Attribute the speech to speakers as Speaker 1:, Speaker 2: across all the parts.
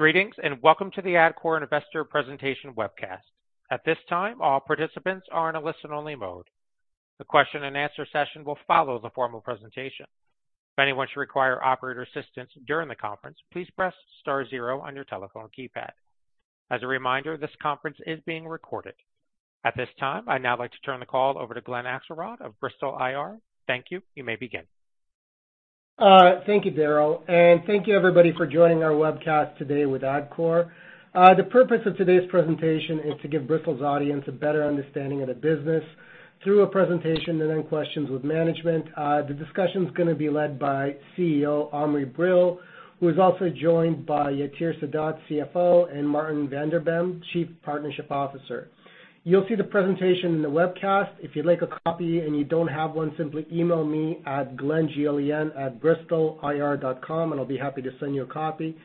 Speaker 1: Greetings, welcome to the Adcore Investor Presentation webcast. At this time, all participants are in a listen-only mode. The question and answer session will follow the formal presentation. If anyone should require operator assistance during the conference, please press star zero on your telephone keypad. As a reminder, this conference is being recorded. At this time, I'd now like to turn the call over to Glen Akselrod of Bristol IR. Thank you. You may begin.
Speaker 2: Thank you, Daryl, and thank you everybody for joining our webcast today with Adcore. The purpose of today's presentation is to give Bristol's audience a better understanding of the business through a presentation and then questions with management. The discussion is gonna be led by CEO, Omri Brill, who is also joined by Yatir Sadot, CFO, and Martijn van den Bemd, Chief Partnerships Officer. You'll see the presentation in the webcast. If you'd like a copy and you don't have one, simply email me at Glenn, G-L-E-N, @bristolir.com. I'll be happy to send you a copy.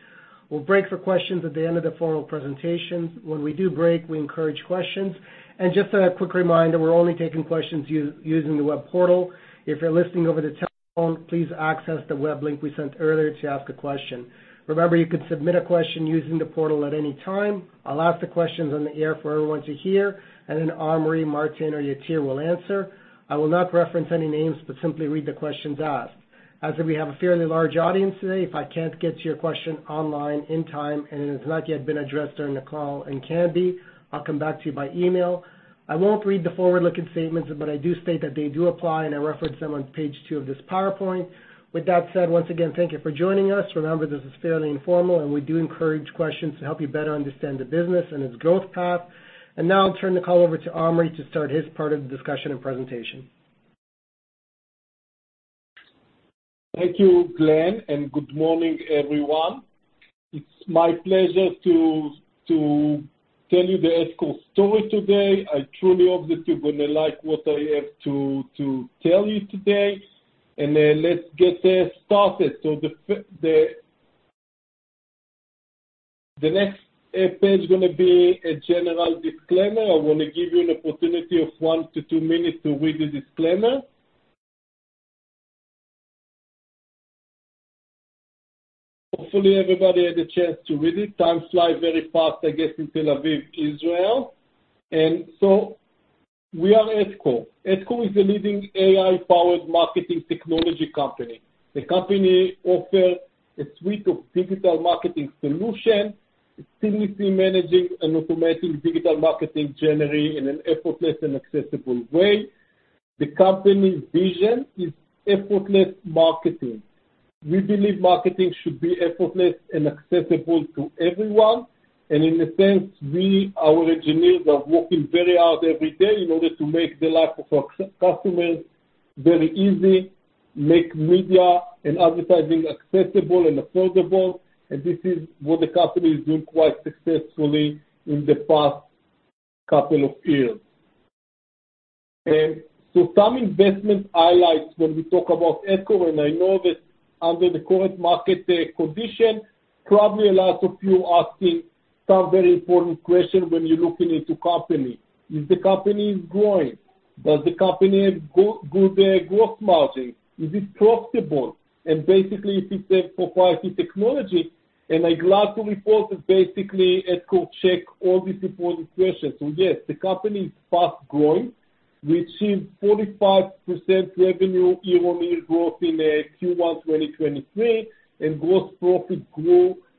Speaker 2: We'll break for questions at the end of the formal presentation. When we do break, we encourage questions. Just a quick reminder, we're only taking questions using the web portal. If you're listening over the telephone, please access the web link we sent earlier to ask a question. Remember, you can submit a question using the portal at any time. I'll ask the questions on the air for everyone to hear, and then Omri, Martijn, or Yatir will answer. I will not reference any names, but simply read the questions asked. As we have a fairly large audience today, if I can't get to your question online in time, and it has not yet been addressed during the call and can be, I'll come back to you by email. I won't read the forward-looking statements, but I do state that they do apply, and I reference them on Page 2 of this PowerPoint. With that said, once again, thank you for joining us. Remember, this is fairly informal, and we do encourage questions to help you better understand the business and its growth path. Now I'll turn the call over to Omri to start his part of the discussion and presentation.
Speaker 3: Thank you, Glenn. Good morning, everyone. It's my pleasure to tell you the Adcore story today. I truly hope that you're gonna like what I have to tell you today. Let's get started. The next Page is gonna be a general disclaimer. I wanna give you an opportunity of one to two minutes to read the disclaimer. Hopefully, everybody had a chance to read it. Time flies very fast, I guess, in Tel Aviv, Israel. We are Adcore. Adcore is a leading AI-powered marketing technology company. The company offers a suite of digital marketing solutions, seamlessly managing and automating digital marketing journey in an effortless and accessible way. The company's vision is Effortless Marketing. We believe marketing should be effortless and accessible to everyone. In a sense, we, our engineers are working very hard every day in order to make the life of our customers very easy, make media and advertising accessible and affordable. This is what the company is doing quite successfully in the past couple of years. Some investment highlights when we talk about Adcore, and I know that under the current market condition, probably a lot of you are asking some very important questions when you're looking into company. Is the company growing? Does the company have good gross margin? Is it profitable? Basically, if it's a proprietary technology. I'm glad to report that basically Adcore checks all these important questions. Yes, the company is fast-growing. We've seen 45% revenue year-on-year growth in Q1 2023, and gross profit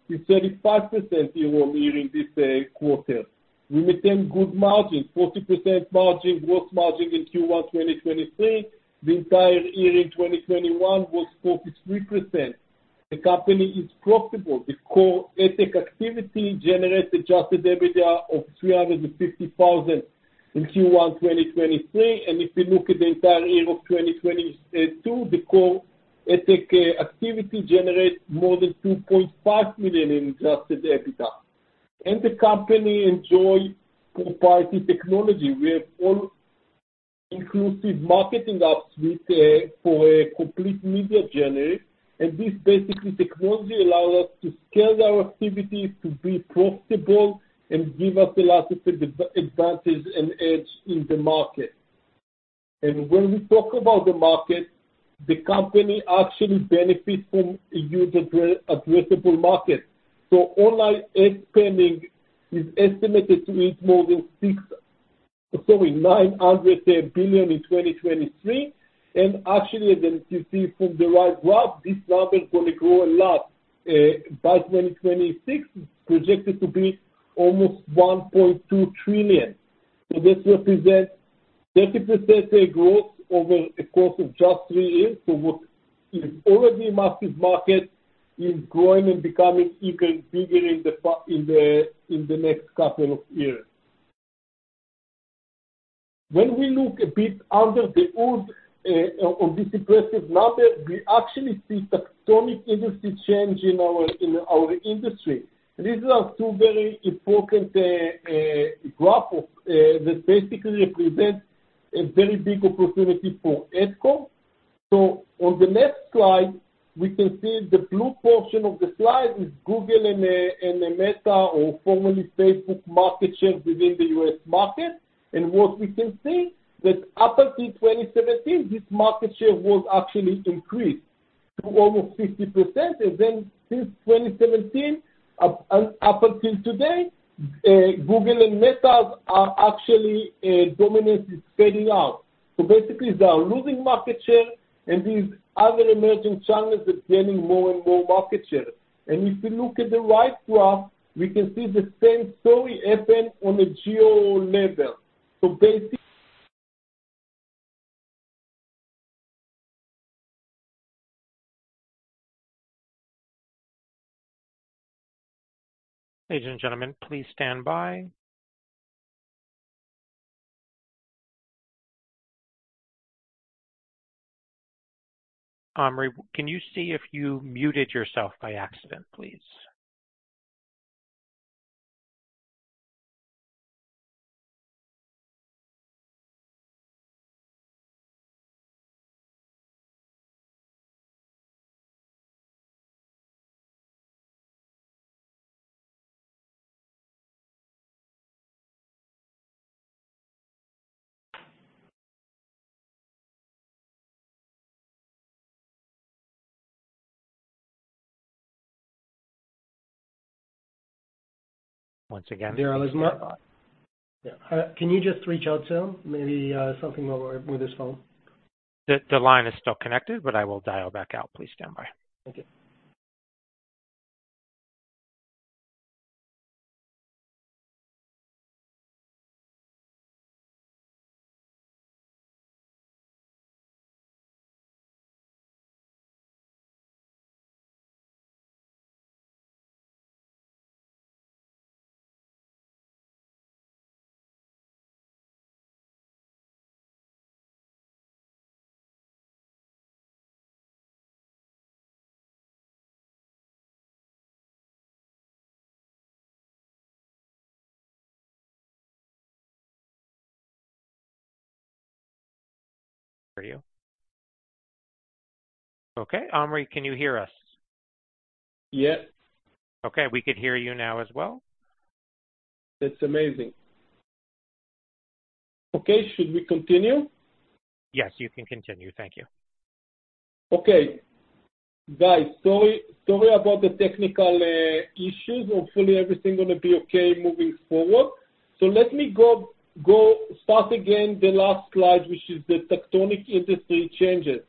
Speaker 3: grow to 35% year-on-year in this quarter. We maintain good margins, 40% margin, gross margin in Q1, 2023. The entire year in 2021 was 43%. The company is profitable. The core Adtech activity generated Adjusted EBITDA of $350,000 in Q1, 2023. If you look at the entire year of 2022, the core Adtech activity generates more than $2.5 million in Adjusted EBITDA. The company enjoys propriety technology. We have all inclusive marketing apps for a complete media journey. This basically technology allow us to scale our activities to be profitable and give us a lot of advantage and edge in the market. When we talk about the market, the company actually benefits from a huge addressable market. Online ad spending is estimated to reach more than $900 billion in 2023. Actually, as you see from the right graph, this number is gonna grow a lot. By 2026, it's projected to be almost $1.2 trillion. This represents 30% growth over a course of just 3 years. What is already a massive market is growing and becoming even bigger in the next couple of years. When we look a bit under the hood on this impressive number, we actually see tectonic industry change in our industry. These are two very important graph of that basically represent a very big opportunity for Adcore. On the next slide, we can see the blue portion of the slide is Google and Meta, or formerly Facebook, market share within the U.S. market. What we can see that up until 2017, this market share was actually increased to almost 50%. Since 2017, up, and up until today, Google and Meta are actually, dominance is fading out. Basically, they are losing market share, and these other emerging channels are gaining more and more market share. If you look at the right graph, we can see the same story happen on a geo level.
Speaker 1: Ladies and gentlemen, please stand by. Omri, can you see if you muted yourself by accident, please? Once again, please stand by.
Speaker 2: Daryl, Yeah. Can you just reach out to him? Maybe, something wrong with his phone.
Speaker 1: The line is still connected, but I will dial back out. Please stand by.
Speaker 2: Thank you.
Speaker 1: Okay. Omri, can you hear us?
Speaker 3: Yes.
Speaker 1: Okay. We could hear you now as well.
Speaker 3: That's amazing. Okay. Should we continue?
Speaker 1: Yes, you can continue. Thank you.
Speaker 3: Guys, sorry about the technical issues. Hopefully everything gonna be okay moving forward. Let me go start again the last slide, which is the tectonic industry changes.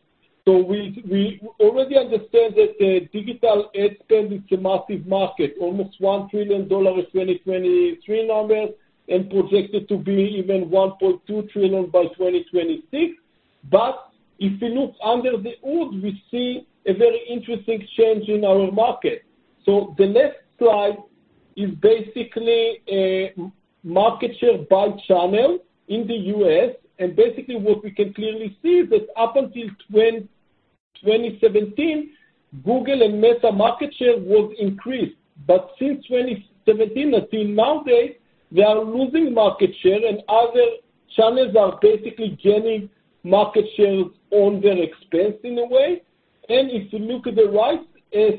Speaker 3: We already understand that digital ad spend is a massive market, almost $1 trillion in 2023 numbers and projected to be even $1.2 trillion by 2026. If you look under the hood, we see a very interesting change in our market. The next slide is basically market share by channel in the U.S. Basically, what we can clearly see is that up until 2017, Google and Meta market share was increased. Since 2017 until nowadays, they are losing market share, and other channels are basically gaining market shares on their expense in a way. If you look at the right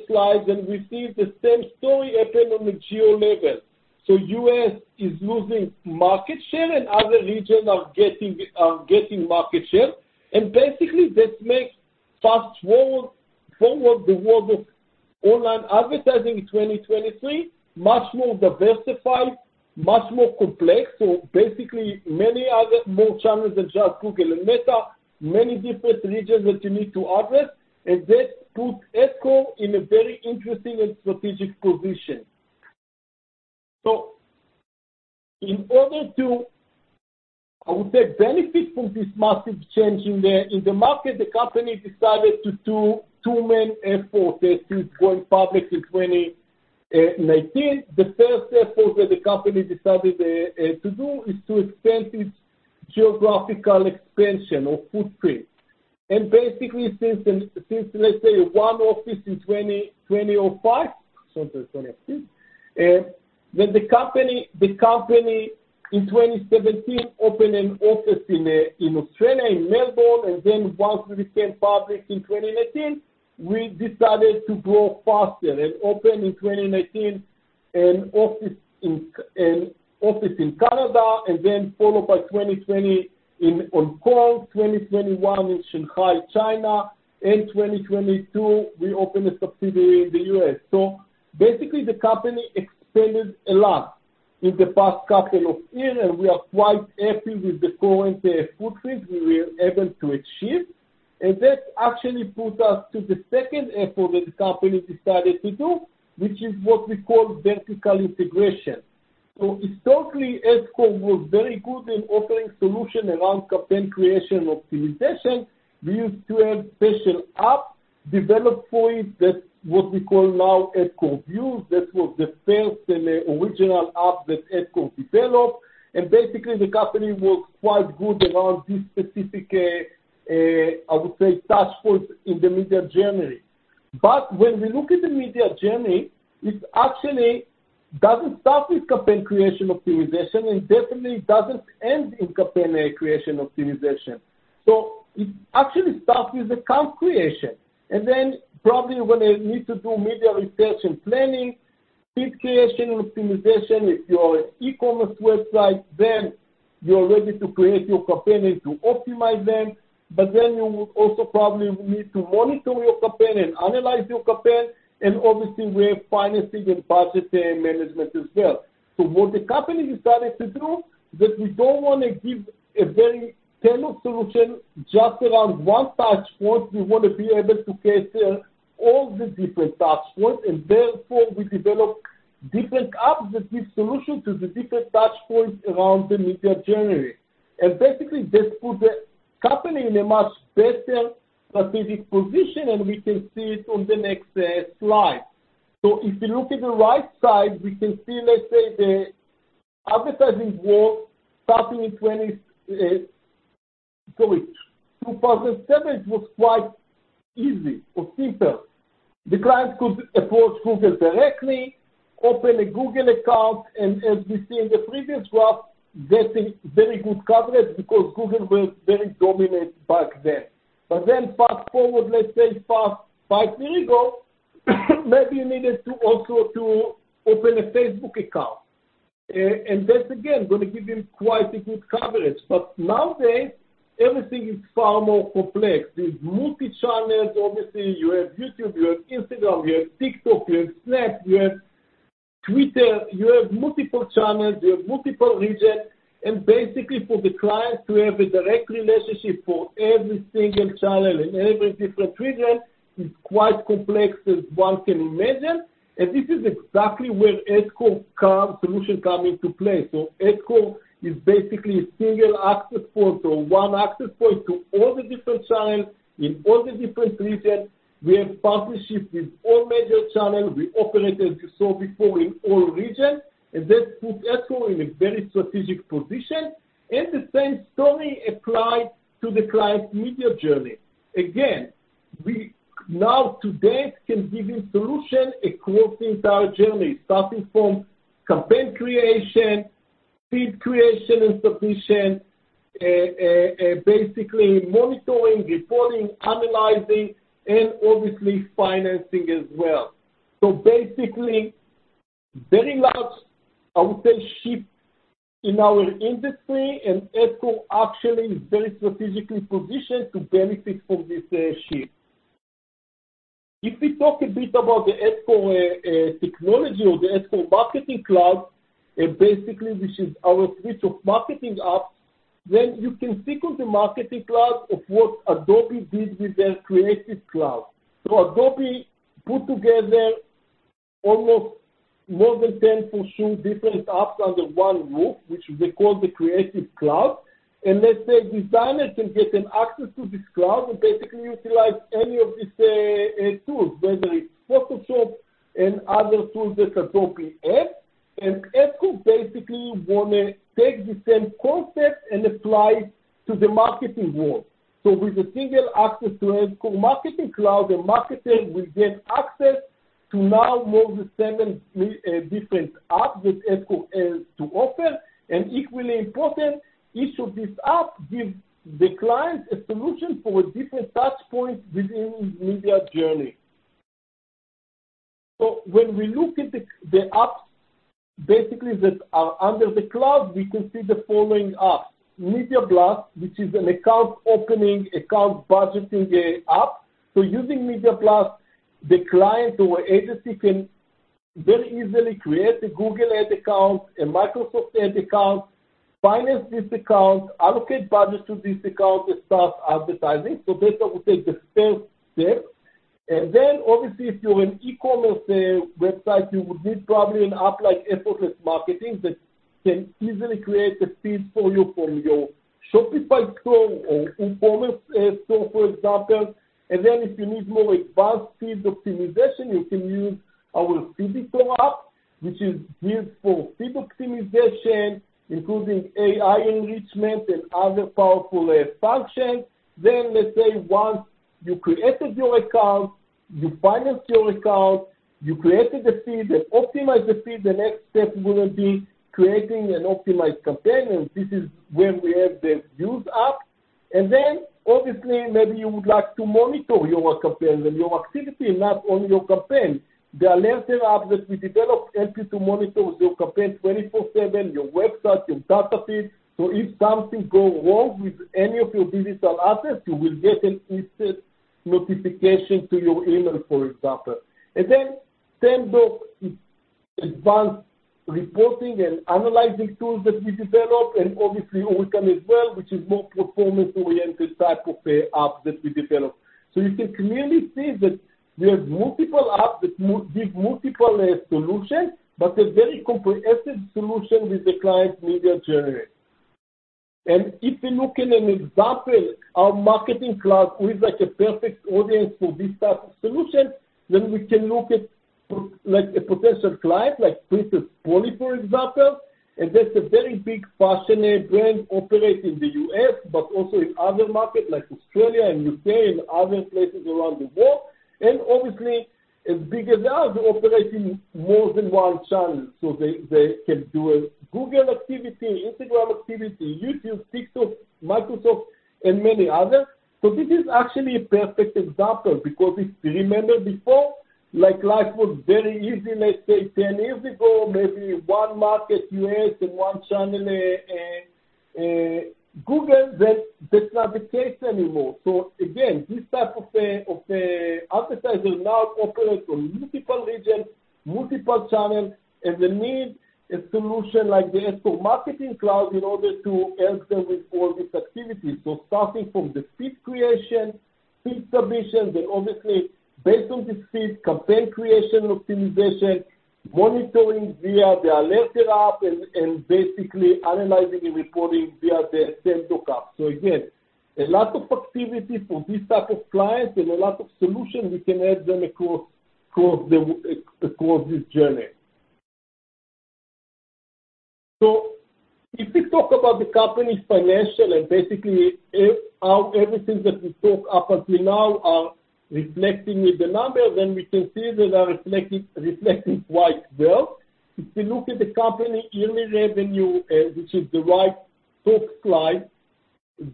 Speaker 3: slide, then we see the same story happen on the geo level. U.S. is losing market share and other regions are getting market share. Basically, this makes fast forward the world of online advertising in 2023, much more diversified, much more complex. Basically many other more channels than just Google and Meta, many different regions that you need to address. That puts Adcore in a very interesting and strategic position. In order to, I would say, benefit from this massive change in the, in the market, the company decided to do two main efforts since going public in 2019. The first effort that the company decided to do is to expand its geographical expansion or footprint. Basically since then, since let's say 1 office in 2005, sorry, 2016. When the company in 2017 opened an office in Australia, in Melbourne. Once we became public in 2019, we decided to grow faster and open in 2019 an office in Canada, followed by 2020 in Hong Kong, 2021 in Shanghai, China, and 2022, we opened a subsidiary in the U.S. Basically the company expanded a lot in the past couple of years, and we are quite happy with the current footprint we were able to achieve. That actually puts us to the second effort that the company decided to do, which is what we call vertical integration. Historically, EBSCO was very good in offering solution around campaign creation optimization. We used to have special app developed for it. That's what we call now EBSCO View. That was the first and original app that EBSCO developed. Basically the company worked quite good around this specific, I would say task force in the media journey. When we look at the media journey, it actually doesn't start with campaign creation optimization and definitely doesn't end in campaign creation optimization. It actually starts with account creation and then probably when they need to do media research and planning Feed creation and optimization. If you're an e-commerce website, then you're ready to create your campaign and to optimize them. You would also probably need to monitor your campaign and analyze your campaign, and obviously, we have financing and budgeting management as well. What the company decided to do, that we don't wanna give a very tailored solution just around one touch point. We want to be able to cater all the different touch points, and therefore, we develop different apps that give solution to the different touch points around the media journey. Basically, this put the company in a much better strategic position, and we can see it on the next slide. If you look at the right side, we can see, let's say, the advertising world starting in 2007 was quite easy or simpler. The client could approach Google directly, open a Google account, and as we see in the previous graph, getting very good coverage because Google was very dominant back then. Fast-forward, let's say fast five years ago, maybe you needed to also to open a Facebook account. That again, gonna give him quite a good coverage. Nowadays, everything is far more complex. With multi-channels, obviously, you have YouTube, you have Instagram, you have TikTok, you have Snap, you have Twitter. You have multiple channels, you have multiple regions. Basically, for the client to have a direct relationship for every single channel and every different region is quite complex as one can imagine. This is exactly where Adcore solution come into play. Adcore is basically a single access point or one access point to all the different channels in all the different regions. We have partnerships with all major channels. We operate, as you saw before, in all regions. That puts Adcore in a very strategic position. The same story applies to the client's media journey. Again, we now today can give him solution across the entire journey, starting from campaign creation, feed creation and submission, basically monitoring, reporting, analyzing, and obviously financing as well. Basically, very large, I would say, shift in our industry and Adcore actually is very strategically positioned to benefit from this shift. If we talk a bit about the Adcore technology or the Adcore Marketing Cloud, basically, which is our suite of marketing apps, then you can think of the Marketing Cloud of what Adobe did with their Creative Cloud. Adobe put together almost more than 10 for sure different apps under one roof, which they call the Creative Cloud. Let's say a designer can get an access to this cloud and basically utilize any of these tools, whether it's Photoshop and other tools that Adobe has. Adcore basically wanna take the same concept and apply to the marketing world. With a single access to Adcore Marketing Cloud, the marketing will get access to now more than seven different apps that Adcore has to offer. Equally important, each of these apps give the client a solution for a different touchpoint within his media journey. When we look at the apps basically that are under the cloud, we can see the following apps. Media Blast, which is an account opening, account budgeting app. Using Media Blast, the client or agency can very easily create a Google Ad account, a Microsoft Ad account, finance this account, allocate budgets to this account, and start advertising. Basically, we take the first step. Then obviously, if you're an e-commerce website, you would need probably an app like Effortless Marketing that can easily create a feed for you from your Shopify store or WooCommerce store, for example. Then if you need more advanced feed optimization, you can use our Feeditor app, which is built for feed optimization, including AI enrichment and other powerful functions. Let's say once you created your account, you financed your account, you created a feed and optimized the feed, the next step will be creating an optimized campaign, and this is when we have the Views app. Obviously, maybe you would like to monitor your campaign and your activity, not only your campaign. The Alerter app that we developed helps you to monitor your campaign 24/7, your website, your data feed. If something go wrong with any of your digital assets, you will get an instant notification to your email, for example. Semdoc is advanced reporting and analyzing tool that we developed, and obviously, Orca as well, which is more performance-oriented type of a app that we developed. You can clearly see that we have multiple apps that give multiple solutions, but a very comprehensive solution with the client's media journey. If we look at an example, our Marketing Cloud, who is like a perfect audience for this type of solution, then we can look at like a potential client like Princess Polly, for example. That's a very big fashion brand, operate in the U.S., but also in other market like Australia and U.K. and other places around the world. Obviously, as big as us, operating more than one channel. They can do a Google activity, Instagram activity, YouTube, TikTok, Microsoft, and many others. This is actually a perfect example because if you remember before, like, life was very easy, let's say 10 years ago, maybe one market, U.S., and one channel, Google that's not the case anymore. Again, this type of advertiser now operates on multiple regions, multiple channels, and they need a solution like the Adcore Marketing Cloud in order to help them with all these activities. Starting from the feed creation, feed submission, then obviously based on the feed, campaign creation, optimization, monitoring via the Alerter app and basically analyzing and reporting via the same toolset. Again, a lot of activity for this type of client and a lot of solutions we can add them across this journey. If we talk about the company's financial and basically how everything that we spoke up until now are reflecting with the numbers, then we can see that are reflecting quite well. If you look at the company yearly revenue, which is the right top slide,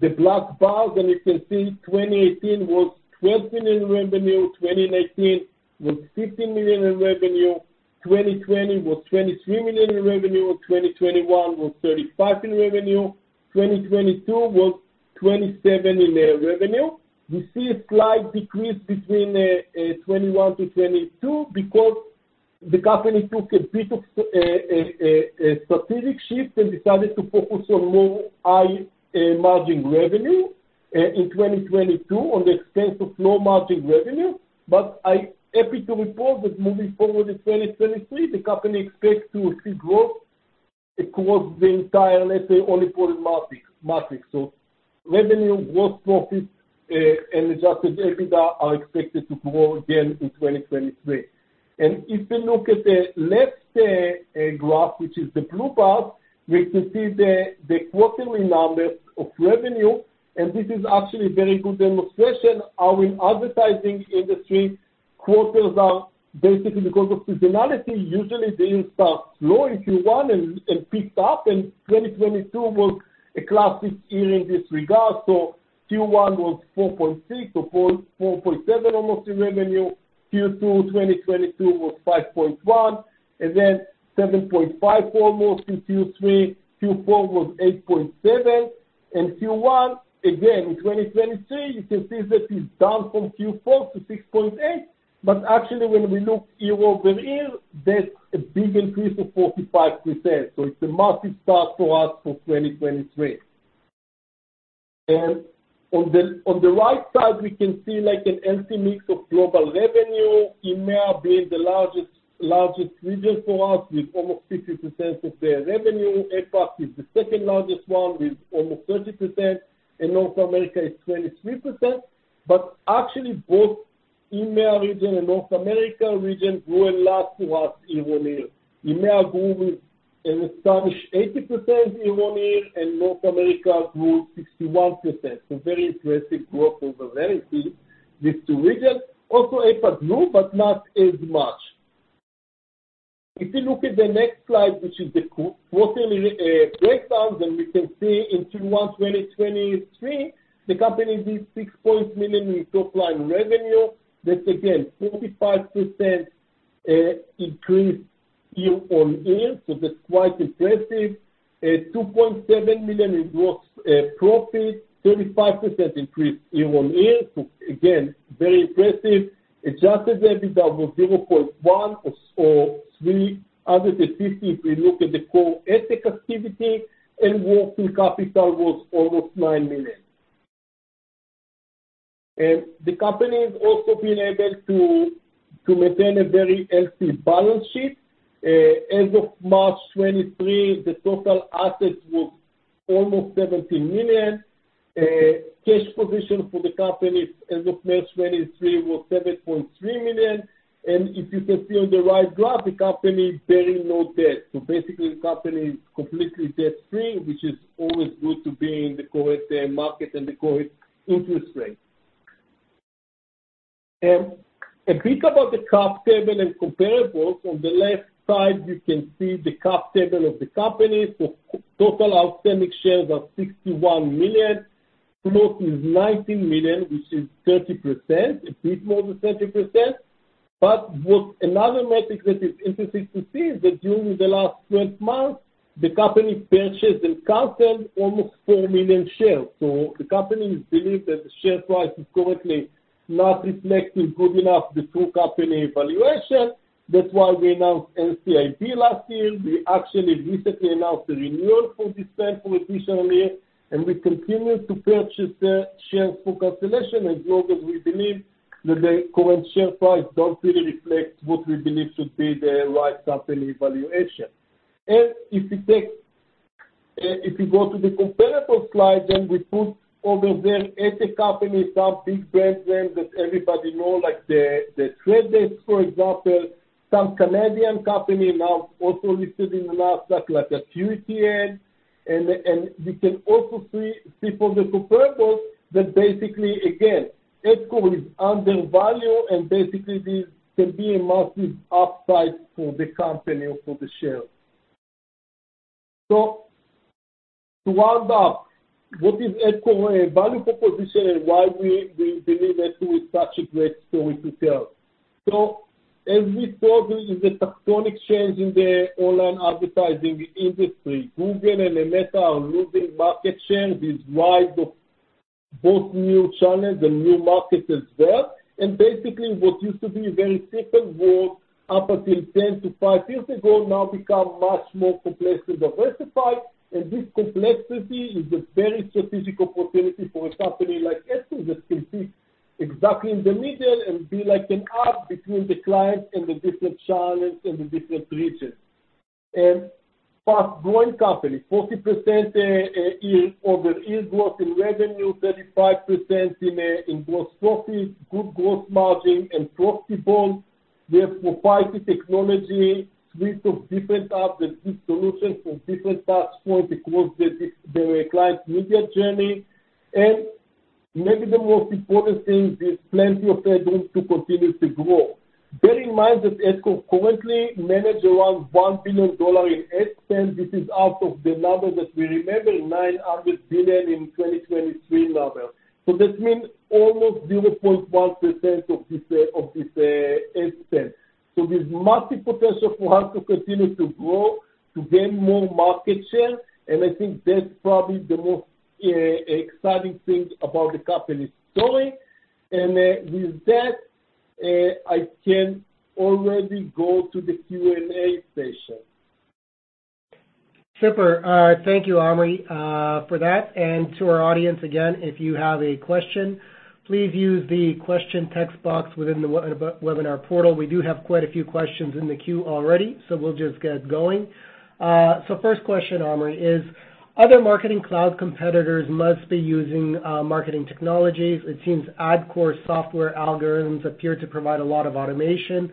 Speaker 3: the black bars, and you can see 2018 was $12 million revenue, 2019 was $15 million in revenue, 2020 was $23 million in revenue, 2021 was $35 million in revenue, 2022 was $27 million in revenue. You see a slight decrease between 21 to 22 because the company took a bit of a strategic shift and decided to focus on more high margin revenue in 2022 on the expense of low margin revenue. I'm happy to report that moving forward in 2023, the company expects to see growth across the entire, let's say, all important matrix. Revenue, gross profits, and Adjusted EBITDA are expected to grow again in 2023. If you look at the left graph, which is the blue bar, we can see the quarterly numbers of revenue, and this is actually very good demonstration how in advertising industry quarters are basically because of seasonality, usually they start low in Q1 and picked up, and 2022 was a classic year in this regard. Q1 was $4.6 or $4.7 almost in revenue. Q2 2022 was $5.1, and then $7.5 almost in Q3. Q4 was $8.7. Q1, again in 2023, you can see that it's down from Q4 to $6.8. Actually when we look year-over-year, that's a big increase of 45%. It's a massive start for us for 2023. On the right side, we can see like a healthy mix of global revenue, EMEA being the largest region for us with almost 50% of the revenue. APAC is the second largest one with almost 30%, and North America is 23%. Actually, both EMEA region and North America region grew a lot for us year-over-year. EMEA grew with an astonishing 80% year-over-year, and North America grew 61%. Very impressive growth over very few, these two regions. APAC grew, but not as much. If you look at the next slide, which is the quarterly breakdowns, we can see in Q1 2023, the company did $6 million in top line revenue. That's again, 45% increase year-on-year. That's quite impressive. $2.7 million in gross profit, 35% increase year-on-year. Again, very impressive. Adjusted EBITDA was $0.1 million or $350 thousand if we look at the core Adtech activity, and working capital was almost $9 million. The company has also been able to maintain a very healthy balance sheet. As of March 23, the total assets was almost $17 million. Cash position for the company as of March 23 was $7.3 million. If you can see on the right graph, the company is bearing no debt. The company is completely debt free, which is always good to be in the current market and the current interest rates. A bit about the cap table and comparables. On the left side, you can see the cap table of the company. Total outstanding shares are 61 million. Float is 19 million, which is 30%, a bit more than 30%. Another metric that is interesting to see is that during the last 12 months, the company purchased and canceled almost 4 million shares. The company believes that the share price is currently not reflecting good enough the true company valuation. That's why we announced NCIB last year. We actually recently announced a renewal for this time for additional year, and we continue to purchase the shares for cancellation as long as we believe that the current share price don't really reflect what we believe should be the right company valuation. If you go to the comparable slide, then we put over there eight company, some big brand names that everybody know, like The Trade Desk, for example, some Canadian company now also listed in the last stock, like a FUTU, we can also see from the comparables that basically again, ETCO is undervalued and basically this can be a massive upside for the company or for the shares. To round up. What is Adcore value proposition and why we believe Adcore is such a great story to tell. As we saw, there is a tectonic change in the online advertising industry. Google and Meta are losing market share. These rise of both new channels and new markets as well. Basically what used to be a very simple world up until 10 to 5 years ago now become much more complex and diversified. This complexity is a very strategic opportunity for a company like Adcore that can sit exactly in the middle and be like an app between the clients and the different channels and the different regions. Fast-growing company, 40% year-over-year growth in revenue, 35% in gross profit, good gross margin and profitable. We have proprietary technology, suite of different apps that give solutions from different touch points across the client's media journey. Maybe the most important thing, there's plenty of headroom to continue to grow. Bear in mind that Adcore currently manage around $1 billion in ad spend. This is out of the number that we remember, $900 billion in 2023 numbers. That means almost 0.1% of this ad spend. There's massive potential for us to continue to grow, to gain more market share, and I think that's probably the most exciting thing about the company's story. With that, I can already go to the Q&A session.
Speaker 2: Super. Thank you, Omri, for that. And to our audience again, if you have a question, please use the question text box within the webinar portal. We do have quite a few questions in the queue already, so we'll just get going. First question, Omri, is: Other marketing cloud competitors must be using, marketing technologies. It seems Adcore software algorithms appear to provide a lot of automation.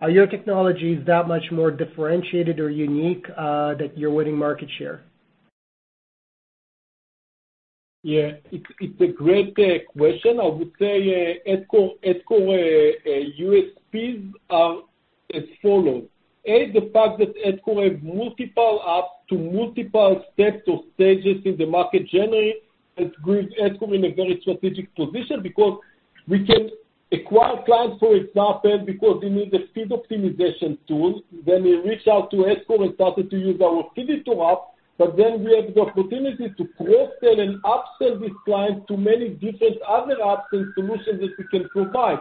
Speaker 2: Are your technologies that much more differentiated or unique that you're winning market share?
Speaker 3: Yeah. It's a great question. I would say Adcore USPs are as follows. A, the fact that Adcore have multiple apps to multiple steps or stages in the market journey. It gives Adcore in a very strategic position because we can acquire clients, for example, because they need a feed optimization tool. They reach out to Adcore and started to use our feed tool app. We have the opportunity to cross-sell and up-sell this client to many different other apps and solutions that we can provide.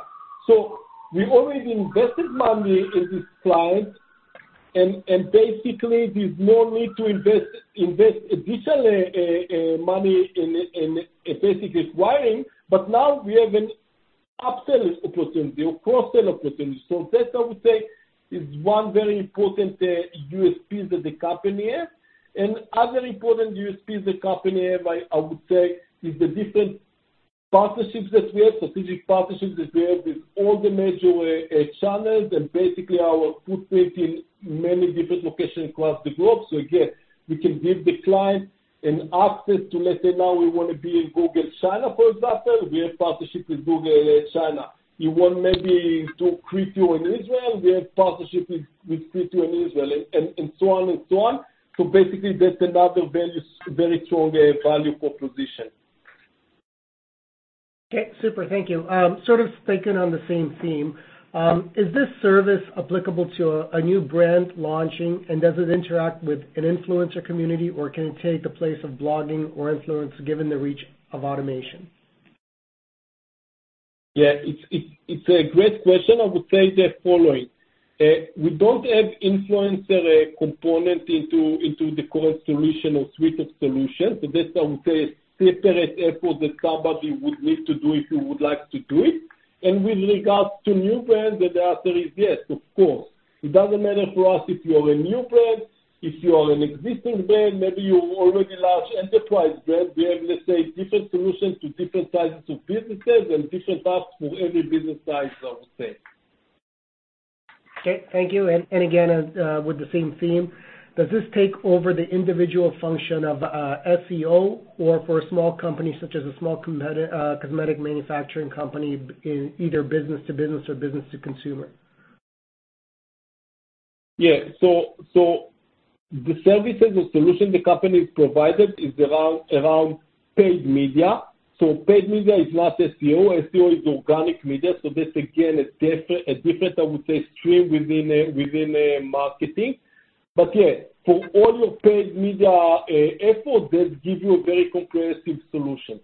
Speaker 3: We already invested money in this client and basically there's no need to invest additional money in basically acquiring, but now we have an up-sell opportunity or cross-sell opportunity. That I would say is one very important USP that the company have. Other important USP the company have, I would say is the different partnerships that we have, strategic partnerships that we have with all the major channels and basically our footprint in many different locations across the globe. Again, we can give the client an access to let's say now we want to be in Google China, for example. We have partnership with Google China. You want maybe to Criteo in Israel, we have partnership with Criteo in Israel and so on and so on. Basically that's another very strong value proposition.
Speaker 2: Okay, super. Thank you. Sort of sticking on the same theme, is this service applicable to a new brand launching and does it interact with an influencer community or can it take the place of blogging or influencer given the reach of automation?
Speaker 3: It's a great question. I would say the following. We don't have influencer component into the core solution or suite of solutions. That I would say is separate effort that somebody would need to do if you would like to do it. With regards to new brands, the answer is yes, of course. It doesn't matter to us if you are a new brand, if you are an existing brand, maybe you're already large enterprise brand. We have, let's say different solutions to different sizes of businesses and different apps for every business size I would say.
Speaker 2: Okay, thank you. Again, as with the same theme, does this take over the individual function of SEO or for a small company such as a small cosmetic manufacturing company in either business to business or business to consumer?
Speaker 3: The services or solution the company is provided is around paid media. Paid media is not SEO. SEO is organic media. That again a different I would say stream within marketing. Yeah, for all your paid media effort, that give you a very comprehensive solution.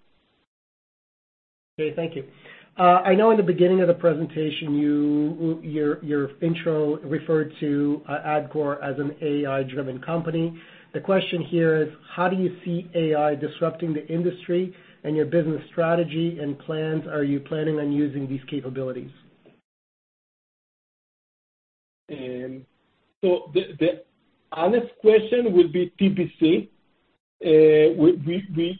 Speaker 2: Okay, thank you. I know in the beginning of the presentation, your intro referred to, Adcore as an AI-driven company. The question here is: How do you see AI disrupting the industry and your business strategy and plans? Are you planning on using these capabilities?
Speaker 3: The, the honest question would be TBC.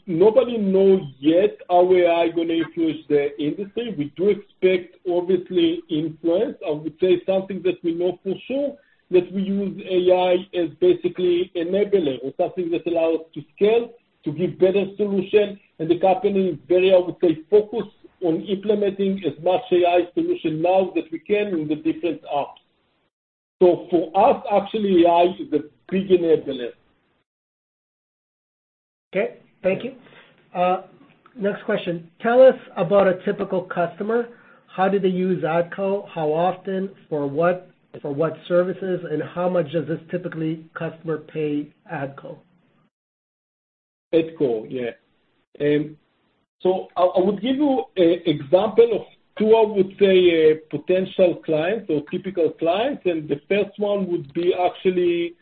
Speaker 3: nobody know yet how AI gonna influence the industry. We do expect obviously influence. I would say something that we know for sure that we use AI as basically enabler or something that allow us to scale, to give better solution. The company is very, I would say focused on implementing as much AI solution now that we can in the different apps. So for us, actually, AI is the beginning of the list.
Speaker 2: Okay. Thank you. Next question. Tell us about a typical customer. How do they use Adcore? How often? For what? For what services? How much does this typically customer pay Adcore?
Speaker 3: AdCo, yeah. So I would give you example of two, I would say, potential clients or typical clients, and the first one would be actually,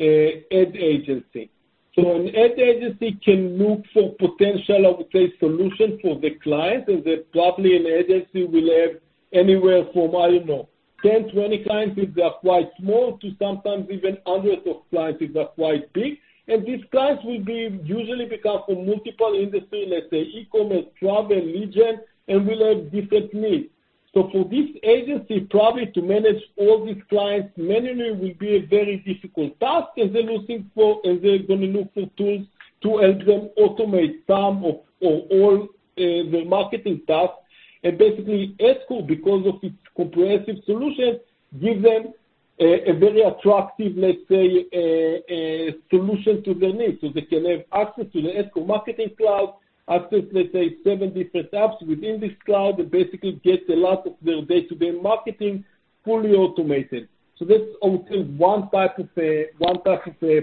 Speaker 3: ad agency. An ad agency can look for potential, I would say, solutions for the client, and then probably an agency will have anywhere from, I don't know, 10, 20 clients if they are quite small, to sometimes even hundreds of clients if they're quite big. These clients will be usually become from multiple industry, let's say e-commerce, travel, lead gen, and will have different needs. For this agency probably to manage all these clients manually will be a very difficult task, they're gonna look for tools to help them automate some of all their marketing tasks. Basically, Adcore, because of its comprehensive solution, give them a very attractive, let's say, a solution to their needs. They can have access to the Adcore Marketing Cloud, access, let's say, seven different apps within this cloud, and basically gets a lot of their day-to-day marketing fully automated. That's only one type of a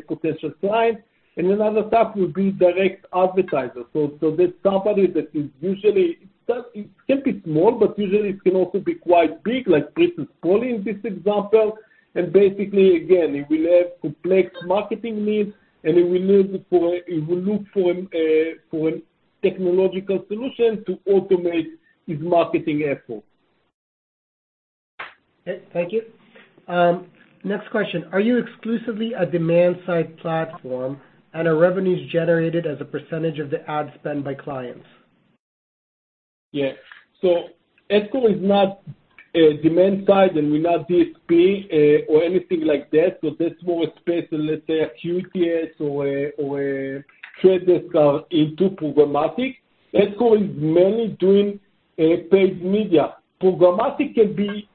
Speaker 3: potential client. Another type will be direct advertisers. That's somebody that it can be small, but usually it can also be quite big, like BP in this example. Basically, again, it will have complex marketing needs, it will look for a technological solution to automate its marketing efforts.
Speaker 2: Okay, thank you. Next question. Are you exclusively a demand-side platform? Are revenues generated as a % of the ad spend by clients?
Speaker 3: Yeah. AdCo is not a demand side, and we're not DSP or anything like that. That's more a space, let's say, a QTS or a, or a The Trade Desk into programmatic. AdCo is mainly doing paid media. Programmatic can be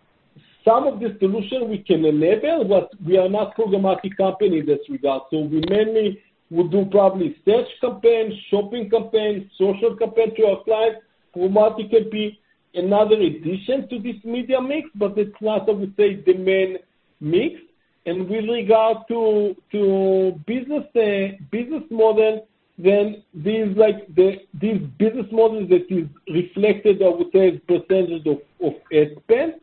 Speaker 3: some of the solution we can enable, but we are not programmatic company in this regard. We mainly will do probably search campaigns, shopping campaigns, social campaigns to our clients. Programmatic can be another addition to this media mix, but it's not, I would say, the main mix. With regard to business business model, then these, like, these business models that is reflected, I would say, as percentage of ad spend.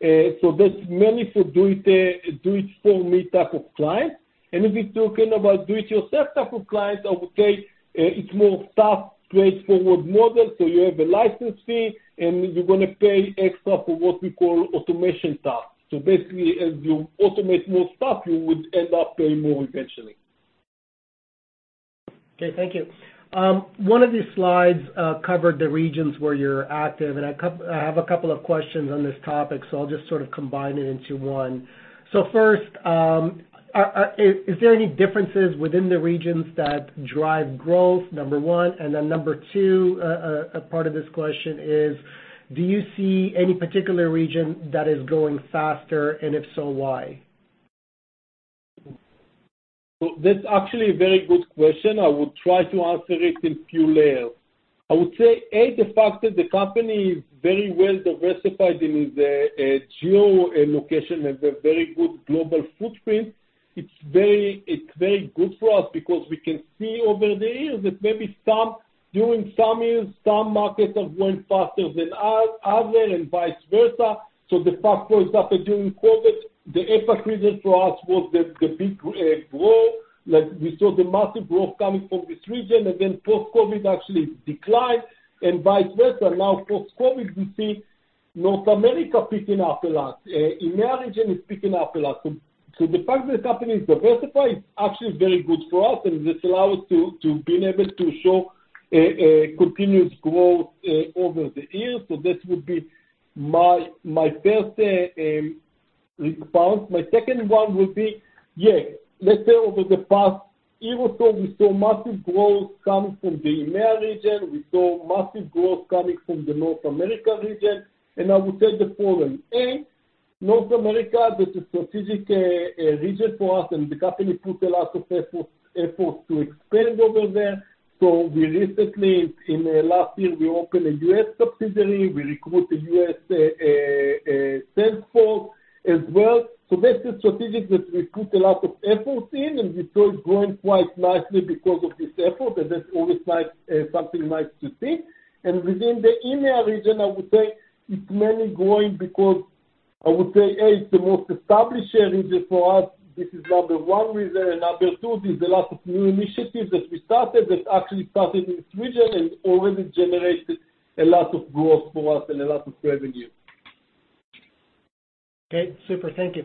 Speaker 3: That's mainly for do it, do it for me type of clients. If we're talking about do it yourself type of clients, I would say, it's more software-as-a-service model. You have a license fee, and you're gonna pay extra for what we call automation tasks. Basically, as you automate more stuff, you would end up paying more eventually.
Speaker 2: Okay, thank you. One of the slides covered the regions where you're active, and I have a couple of questions on this topic, so I'll just sort of combine it into one. First, is there any differences within the regions that drive growth? Number one. Number two, part of this question is, do you see any particular region that is growing faster? If so, why?
Speaker 3: That's actually a very good question. I will try to answer it in few layers. I would say, A, the fact that the company is very well diversified in its geolocation, has a very good global footprint. It's very good for us because we can see over the years that maybe during some years, some markets have grown faster than other and vice versa. The past, for example, during COVID, the APAC region for us was the big growth. Like, we saw the massive growth coming from this region. Post-COVID, actually declined and vice versa. Post-COVID, we see North America picking up a lot, EMEA region is picking up a lot. The fact that the company is diversified is actually very good for us, and this allow us to being able to show a continuous growth over the years. This would be my first response. My second one would be, yeah, let's say over the past one year or so, we saw massive growth coming from the EMEA region. We saw massive growth coming from the North America region. I would say the following. North America, that's a strategic region for us, and the company put a lot of efforts to expand over there. We recently in last year, we opened a U.S. subsidiary. We recruit a U.S. sales force as well. That's the strategic that we put a lot of efforts in. We saw it growing quite nicely because of this effort. That's always nice, something nice to see. Within the EMEA region, I would say it's mainly growing because I would say, A, it's the most established region for us. This is number one reason. Number two is a lot of new initiatives that we started that actually started in this region and already generated a lot of growth for us and a lot of revenue.
Speaker 2: Okay, super. Thank you.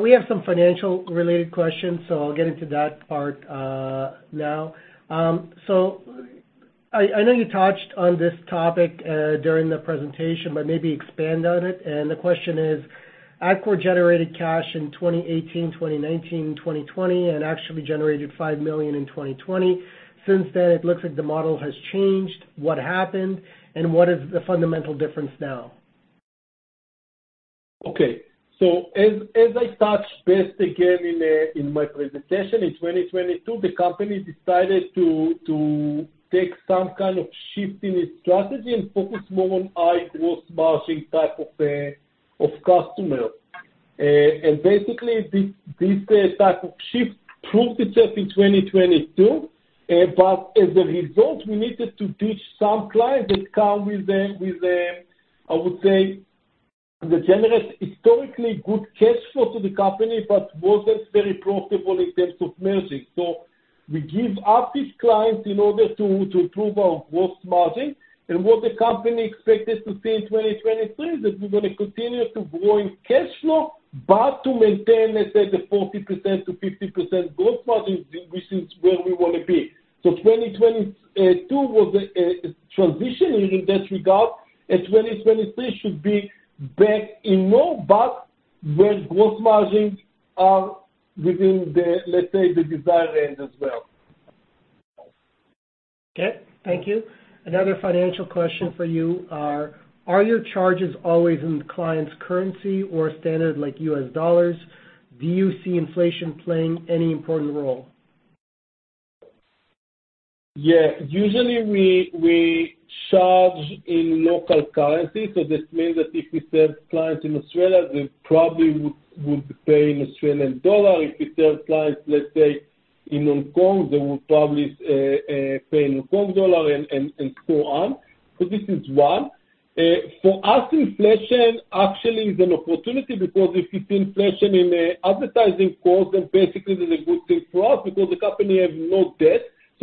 Speaker 2: We have some financial related questions, so I'll get into that part now. I know you touched on this topic during the presentation, but maybe expand on it. The question is, Adcore generated cash in 2018, 2019, and 2020 and actually generated $5 million in 2020. Since then, it looks like the model has changed. What happened, and what is the fundamental difference now?
Speaker 3: Okay. As I touched base again in my presentation, in 2022, the company decided to take some kind of shift in its strategy and focus more on high gross margin type of customer. Basically, this type of shift proved itself in 2022. As a result, we needed to ditch some clients that come with a, I would say, that generate historically good cash flow to the company but wasn't very profitable in terms of margin. We give up these clients in order to improve our gross margin. What the company expected to see in 2023 is that we're gonna continue to grow in cash flow, but to maintain, let's say, the 40%-50% gross margin, which is where we wanna be. 2022 was a transition in that regard, and 2023 should be back in more, but where gross margins are within the, let's say, the desired range as well.
Speaker 2: Okay. Thank you. Another financial question for you, are your charges always in the client's currency or standard like U.S. dollars? Do you see inflation playing any important role?
Speaker 3: Yeah. This means that if we serve clients in Australia, they probably would pay in Australian dollar. If we serve clients, let's say in Hong Kong, they will probably pay in Hong Kong dollar and so on. This is one. For us, inflation actually is an opportunity because if you see inflation in advertising costs, basically it is a good thing for us because the company have no debt.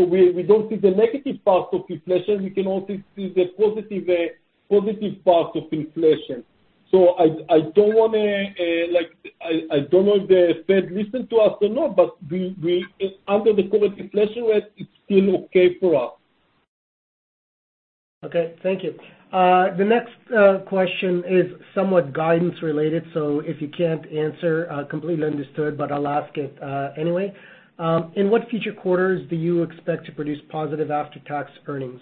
Speaker 3: We don't see the negative parts of inflation. We can only see the positive part of inflation. I don't wanna. I don't know if the Fed listen to us or not, under the current inflation rate, it's still okay for us.
Speaker 2: Okay. Thank you. The next question is somewhat guidance related, so if you can't answer, completely understood, but I'll ask it anyway. In what future quarters do you expect to produce positive after-tax earnings?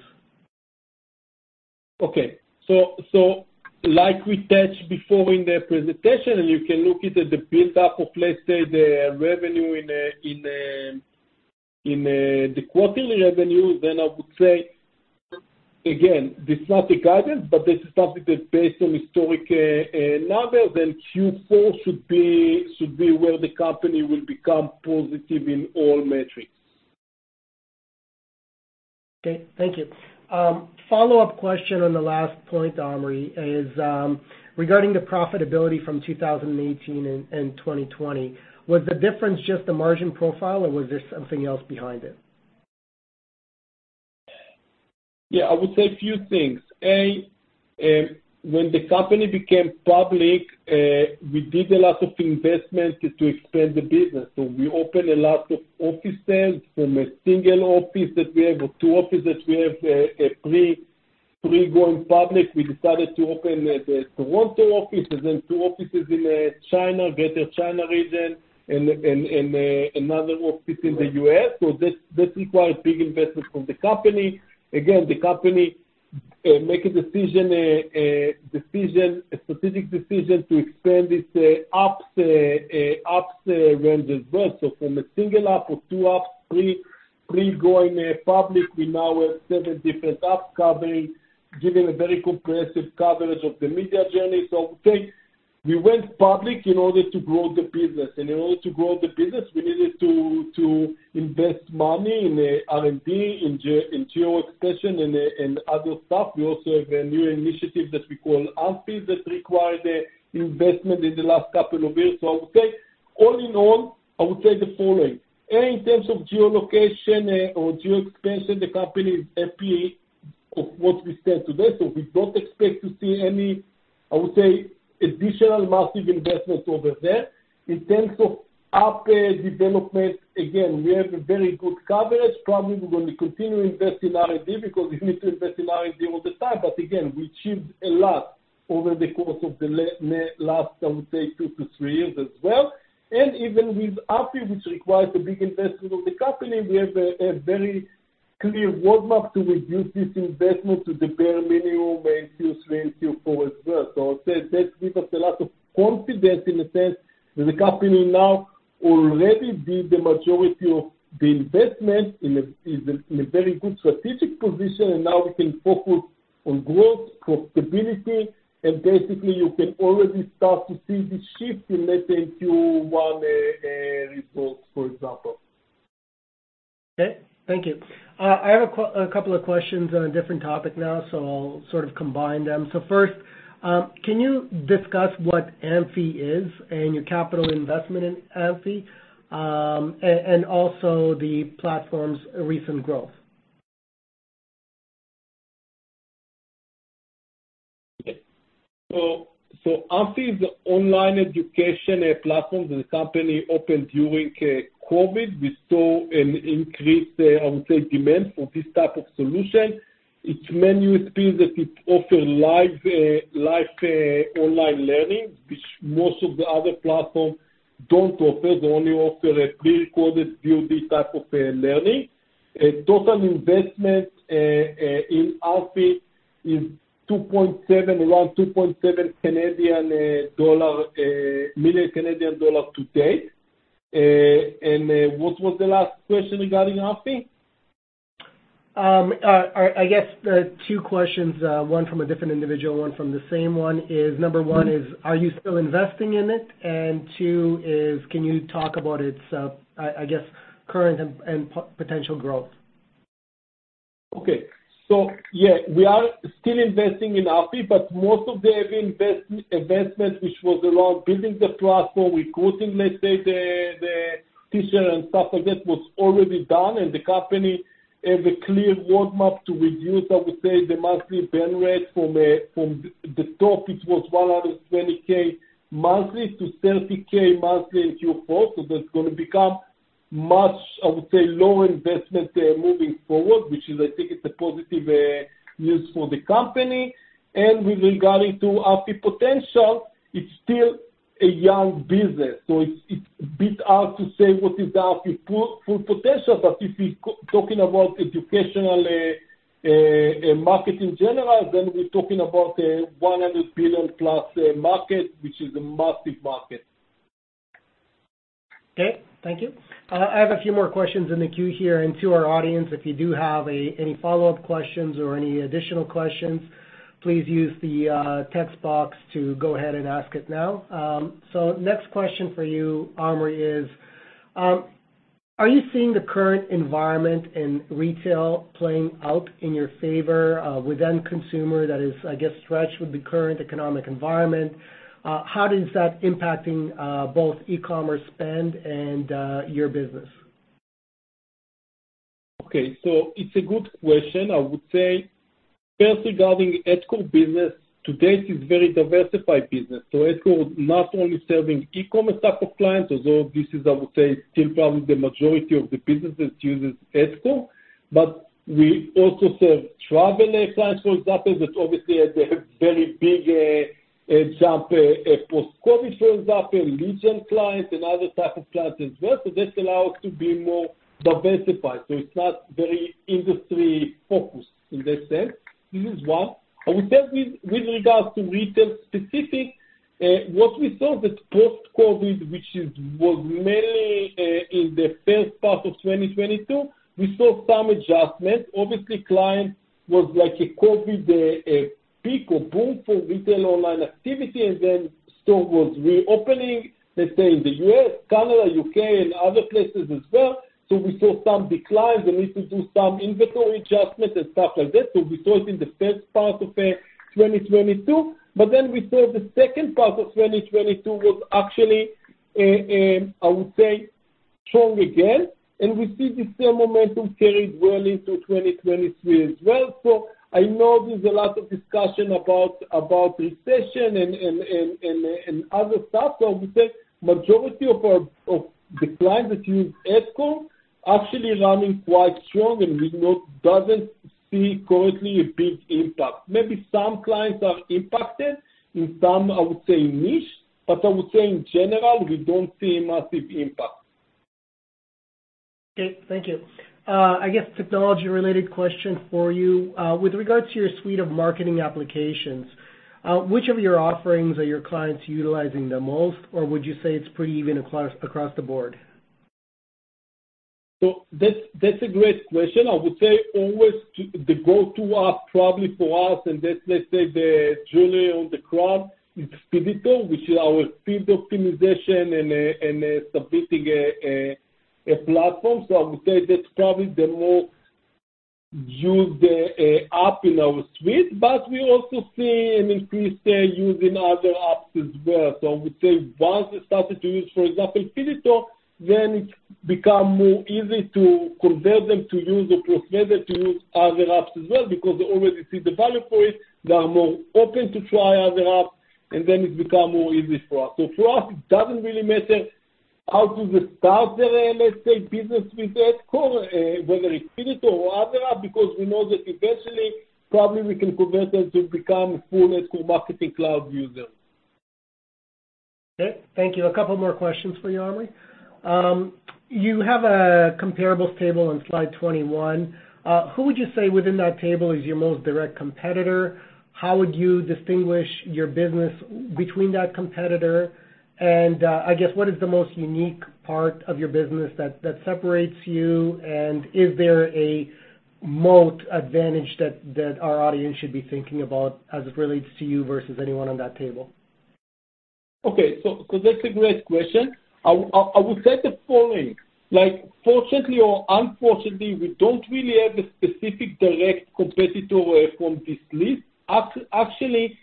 Speaker 3: Like we touched before in the presentation, and you can look it at the buildup of, let's say, the revenue in the quarterly revenue. I would say, again, this is not a guidance, but this is something that based on historic numbers, Q4 should be where the company will become positive in all metrics.
Speaker 2: Okay. Thank you. Follow-up question on the last point, Omri, is regarding the profitability from 2018 and 2020. Was the difference just the margin profile, or was there something else behind it?
Speaker 3: I would say a few things. When the company became public, we did a lot of investment to expand the business. We opened a lot of offices from a single office that we have or two offices we have pre-going public. We decided to open the Toronto office and two offices in China, Greater China region and another office in the U.S. This requires big investment from the company. Again, the company make a strategic decision to expand its apps range as well. From a single app or two apps, three pre-going public, we now have seven different apps covering, giving a very comprehensive coverage of the media journey. I would say we went public in order to grow the business. In order to grow the business, we needed to invest money in R&D, in geo expression, and in other stuff. We also have a new initiative that we call Amphy that required a investment in the last couple of years. I would say, all in all, I would say the following. In terms of geo location, or geo expansion, the company is happy of what we stand today. We don't expect to see any, I would say, additional massive investments over there. In terms of app development, again, we have a very good coverage. Probably we're gonna continue invest in R&D because we need to invest in R&D all the time. Again, we achieved a lot over the course of the last, I would say, two to three years as well. Even with Amphy, which requires a big investment of the company, we have a very clear roadmap to reduce this investment to the bare minimum in Q3 and Q4 as well. I would say that give us a lot of confidence in the sense that the company now already did the majority of the investment in a very good strategic position and now we can focus on growth, profitability, and basically you can already start to see the shift in, let's say, Q1 results, for example.
Speaker 2: Okay. Thank you. I have a couple of questions on a different topic now, so I'll sort of combine them. First, can you discuss what Amphy is and your capital investment in Amphy? And also the platform's recent growth.
Speaker 3: Okay. Amphy is a online education platform that the company opened during COVID. We saw an increase, I would say, demand for this type of solution. Its main USP is that it offer live online learning, which most of the other platform don't offer. They only offer a pre-recorded VOD type of learning. A total investment in Amphy is 2.7, around 2.7 million Canadian dollar to date. What was the last question regarding Amphy?
Speaker 2: I guess the two questions, one from a different individual, one from the same one is number one is are you still investing in it? Two is can you talk about its, I guess current and potential growth?
Speaker 3: Okay. Yeah, we are still investing in Afy, but most of the investment, which was around building the platform, recruiting, let's say, the teacher and stuff like that was already done, and the company have a clear roadmap to reduce, I would say, the monthly burn rate from the top, it was $120K monthly to $30K monthly in Q4. That's gonna become much, I would say, low investment moving forward, which is I think it's a positive news for the company. With regarding to Afy potential, it's still a young business, so it's a bit hard to say what is the Afy full potential. If we talking about educationally market in general, then we're talking about $100 billion plus market, which is a massive market.
Speaker 2: Okay, thank you. I have a few more questions in the queue here. To our audience, if you do have any follow-up questions or any additional questions, please use the text box to go ahead and ask it now. Next question for you, Omri, is, are you seeing the current environment in retail playing out in your favor, with end consumer, that is, I guess, stretched with the current economic environment? How is that impacting both e-commerce spend and your business?
Speaker 3: It's a good question. I would say first regarding Adcore business, to date is very diversified business. Adcore is not only serving e-commerce type of clients, although this is, I would say, still probably the majority of the businesses uses Adcore, but we also serve travel clients, for example, that obviously has a very big example post-COVID, for example, leisure clients and other type of clients as well. This allow us to be more diversified, so it's not very industry focused in that sense. This is one. I would say with regards to retail specific, what we saw that post-COVID, which was mainly in the first part of 2022, we saw some adjustment. Obviously, clients was like a COVID peak or boom for retail online activity, store was reopening, let's say in the U.S., Canada, U.K. and other places as well. We saw some declines. They need to do some inventory adjustments and stuff like that. We saw it in the first part of 2022. We saw the second part of 2022 was actually, I would say, strong again, and we see the same momentum carried well into 2023 as well. I know there's a lot of discussion about recession and other stuff. I would say majority of the clients that use Adcore actually running quite strong, and we know doesn't see currently a big impact. Maybe some clients are impacted in some, I would say, niche. I would say in general, we don't see a massive impact.
Speaker 2: Okay. Thank you. I guess technology related question for you. With regards to your suite of marketing applications, which of your offerings are your clients utilizing the most, or would you say it's pretty even across the board?
Speaker 3: That's a great question. I would say always the go-to app probably for us, and that's let's say the jewelry on the crown, is Speedito, which is our speed optimization and and submitting a platform. I would say that's probably the more used app in our suite. We also see an increased use in other apps as well. I would say once they started to use, for example, Speedito, then it become more easy to convert them to use or persuade them to use other apps as well, because they already see the value for it. They are more open to try other apps, it become more easy for us. For us, it doesn't really matter how do they start their, let's say, business with Adcore, whether it's Speedito or other app, because we know that eventually probably we can convert them to become full Adcore Marketing Cloud users.
Speaker 2: Okay. Thank you. A couple more questions for you, Omri. You have a comparables table on slide 21. Who would you say within that table is your most direct competitor? How would you distinguish your business between that competitor? I guess what is the most unique part of your business that separates you? Is there a moat advantage that our audience should be thinking about as it relates to you versus anyone on that table?
Speaker 3: Okay. That's a great question. I would say the following, like fortunately or unfortunately, we don't really have a specific direct competitor from this list actually,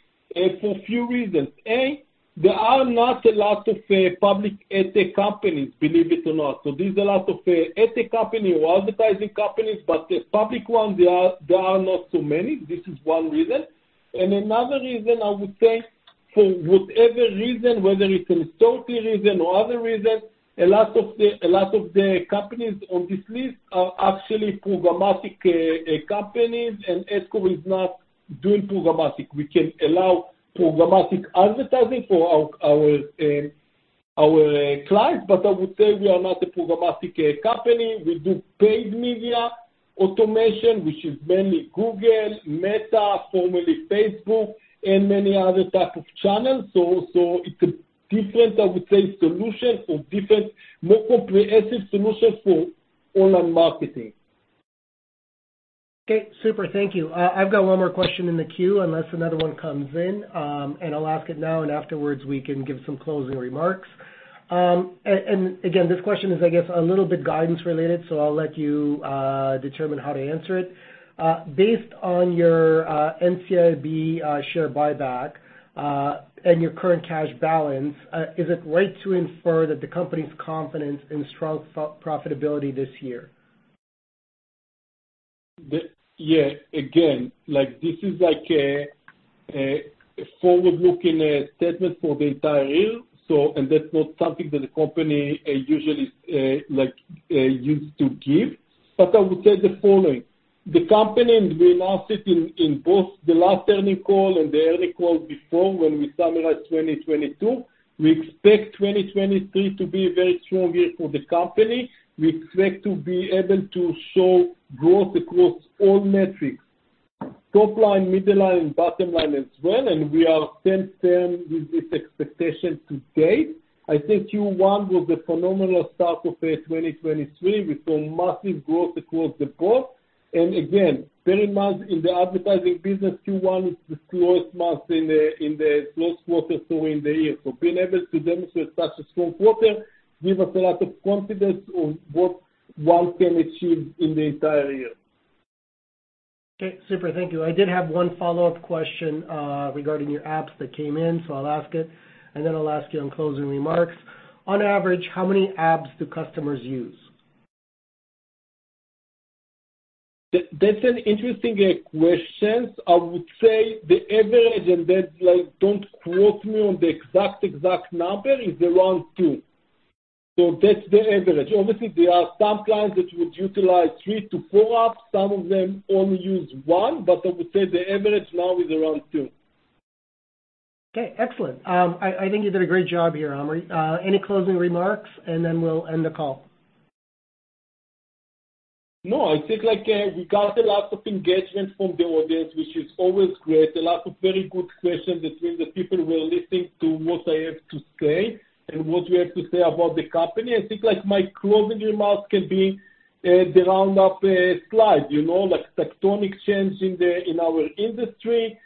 Speaker 3: for a few reasons. A, there are not a lot of public Adtech companies, believe it or not. There's a lot of Adtech company or advertising companies, but the public one, there are not so many. This is one reason. Another reason I would say, for whatever reason, whether it's a historical reason or other reason, a lot of the companies on this list are actually programmatic companies, and Adcore is not doing programmatic. We can allow programmatic advertising for our clients, I would say we are not a programmatic company. We do paid media automation, which is mainly Google, Meta, formerly Facebook, and many other type of channels. It's a more comprehensive solution for online marketing.
Speaker 2: Okay, super. Thank you. I've got one more question in the queue unless another one comes in. I'll ask it now, and afterwards we can give some closing remarks. Again, this question is, I guess, a little bit guidance related, so I'll let you determine how to answer it. Based on your NCIB share buyback and your current cash balance, is it right to infer that the company's confidence in strong pro-profitability this year?
Speaker 3: Yeah. Again, like, this is like a forward-looking statement for the entire year, that's not something that the company usually like used to give. I would say the following. The company, and we announced it in both the last earning call and the earning call before when we summarized 2022, we expect 2023 to be a very strong year for the company. We expect to be able to show growth across all metrics. Top line, middle line, and bottom line as well, we are 10/10 with this expectation to date. I think Q1 was a phenomenal start of 2023. We saw massive growth across the board. Again, very much in the advertising business, Q1 is the slowest month in the slowest quarter for in the year. Being able to demonstrate such a strong quarter give us a lot of confidence on what one can achieve in the entire year.
Speaker 2: Okay, super. Thank you. I did have 1 follow-up question, regarding your apps that came in, so I'll ask it, and then I'll ask you on closing remarks. On average, how many apps do customers use?
Speaker 3: That's an interesting question. I would say the average, and that, like, don't quote me on the exact number, is around two. That's the average. Obviously, there are some clients which would utilize three to four apps. Some of them only use one, but I would say the average now is around two.
Speaker 2: Okay, excellent. I think you did a great job here, Omri. Any closing remarks, and then we'll end the call.
Speaker 3: No, I think like, we got a lot of engagement from the audience, which is always great. A lot of very good questions. It means that people were listening to what I have to say and what we have to say about the company. I think like my closing remarks can be, the round-up, slide, you know, like tectonic change in the, in our industry,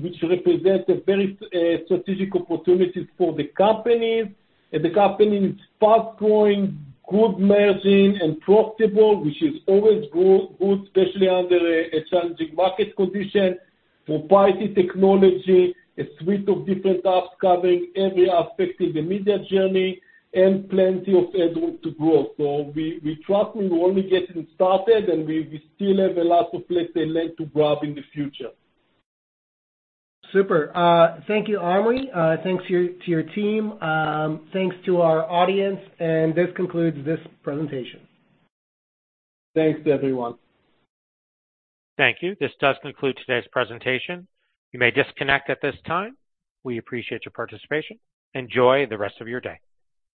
Speaker 3: which represent a very, strategic opportunities for the company. The company is fast-growing, good margin, and profitable, which is always good, especially under a challenging market condition. Proprietary technology, a suite of different apps covering every aspect in the media journey, and plenty of headroom to grow. We, we trust we're only getting started, and we still have a lot of place and length to grab in the future.
Speaker 2: Super. Thank you, Omri. Thanks to your team. Thanks to our audience, and this concludes this presentation.
Speaker 3: Thanks everyone.
Speaker 1: Thank you. This does conclude today's presentation. You may disconnect at this time. We appreciate your participation. Enjoy the rest of your day.